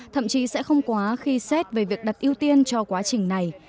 thậm chí sẽ không quá khi xét về việc đặt ưu tiên cho quá trình này